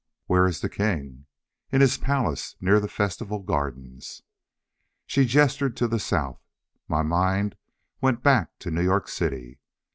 "Where is the king?" "In his palace, near the festival gardens." She gestured to the south. My mind went back to New York City.